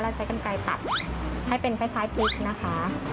ใช้กันไกลตัดให้เป็นคล้ายพริกนะคะ